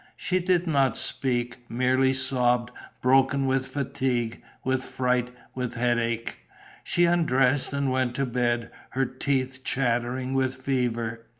She did not speak, merely sobbed, broken with fatigue, with fright, with head ache. She undressed and went to bed, her teeth chattering with fever.